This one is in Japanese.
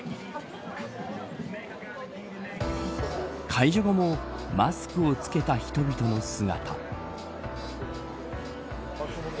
解除後もマスクを着けた人々の姿。